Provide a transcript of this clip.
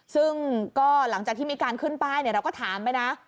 ซึ่งก็หลังจากที่มีการขึ้นป้ายเราก็ถามไปนะ